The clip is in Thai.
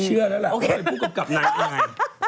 เชื่อแล้วแหละโอเคเป็นผู้กำกับนาย